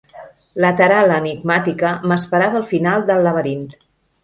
La taral·la enigmàtica m'esperava al final del laberint.